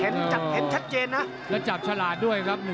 นี่นี่นี่นี่นี่นี่